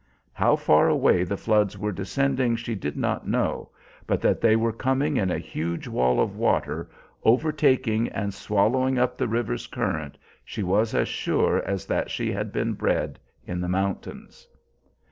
How far away the floods were descending she did not know; but that they were coming in a huge wall of water, overtaking and swallowing up the river's current, she was as sure as that she had been bred in the mountains.